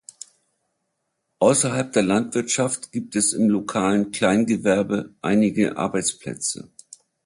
Ausserhalb der Landwirtschaft gibt es im lokalen Kleingewerbe einige Arbeitsplätze.